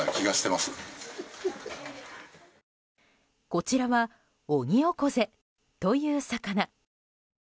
こちらはオニオコゼという魚。